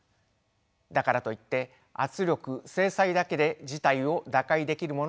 だからといって圧力制裁だけで事態を打開できるものでもありません。